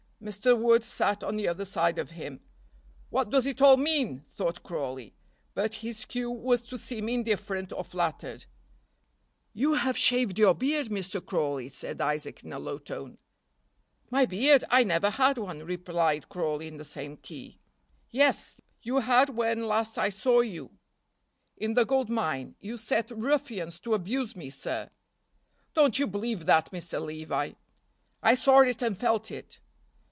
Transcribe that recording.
Mr. Wood sat on the other side of him. "What does it all mean?" thought Crawley, but his cue was to seem indifferent or flattered. "You have shaved your beard, Mr. Crawley," said Isaac, in a low tone. "My beard! I never had one," replied Crawley, in the same key. "Yes, you had when last I saw you in the gold mine; you set ruffians to abuse me, sir." "Don't you believe that, Mr. Levi." "I saw it and felt it."